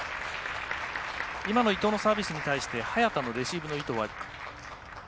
今の伊藤のサービスに対して早田のレシーブの意図は？